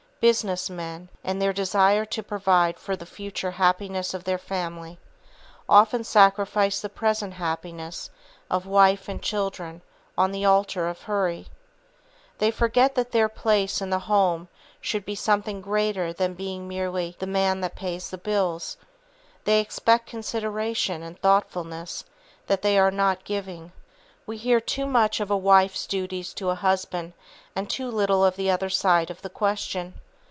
Business men, in their desire to provide for the future happiness of their family, often sacrifice the present happiness of wife and children on the altar of Hurry. They forget that their place in the home should be something greater than being merely "the man that pays the bills;" they expect consideration and thoughtfulness that they are not giving. We hear too much of a wife's duties to a husband and too little of the other side of the question.